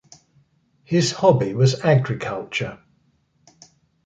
His hobby was agriculture.